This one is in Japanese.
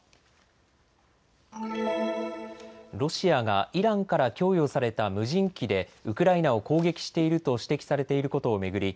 ロシアがイランから供与された無人機でウクライナを攻撃していると指摘されていることを巡り